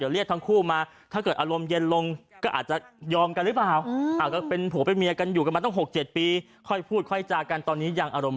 รักเขาไหมคุณภาพ